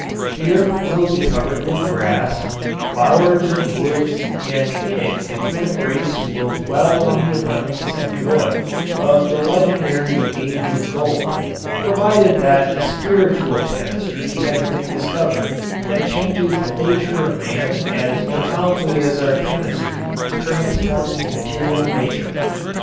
The earth will be covered with grass, flowers and woods and in it the human race will dwell in the abundance and joy of the legendary age of gold provided that a spiritual chemistry has been discovered that changes the nature of man as profoundly as our chemistry transforms material nature.